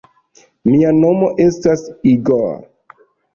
Mia nomo estas Igor.